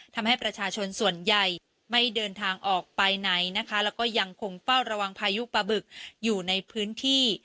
ทำให้ประชาชนส่วนใหญ่ไม่เดินทางออกไปไหนนะคะแล้วก็ยังคงเฝ้าระวังพายุปลาบึกอยู่ในพื้นที่